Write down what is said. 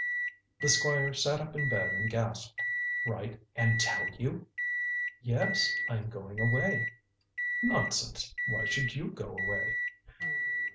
The Squire sat up in bed and gasped. "Write and tell you?" "Yes. I am going away." "Nonsense! Why should you go away?"